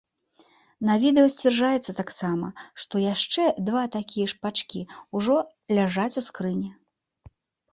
На відэа сцвярджаецца таксама, што яшчэ два такія ж пачкі ўжо ляжаць у скрыні.